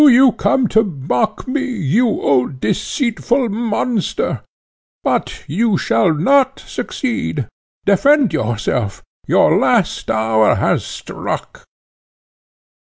do you come to mock me, you old deceitful monster? But you shall not succeed. Defend yourself: your last hour has struck."